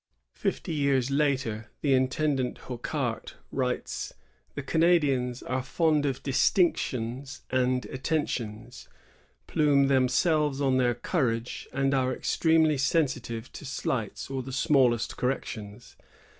^ Fifty years later, the intendant Hocquart writes: The Canadians are fond of distinctions and atten tions, plume themselves on their courage, and are extremely sensitive to slights or the smallest correc tions.